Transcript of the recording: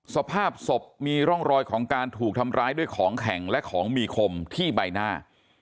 สภาพศพมีร่องรอยของการถูกทำร้ายด้วยของแข็งและของมีคมที่ใบหน้า